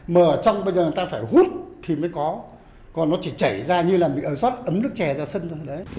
mở trong bây giờ người ta phải hút thì mới có còn nó chỉ chảy ra như là bị ẩn xót ấm nước chè ra sân thôi